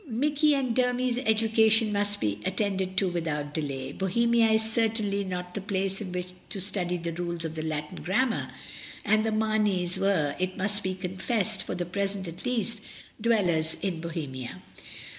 Mikey and Dermy's education must be attended to without delay. Bohemia is certainly not the place in which to study the rules of the Latin grammar, and the Mameys were, it must be confessed, for the present at least, dwellers in Bohemia.